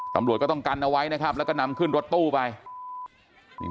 ตำรวจก็ต้องกันเอาไว้นะครับแล้วก็นำขึ้นรถตู้ไปนี่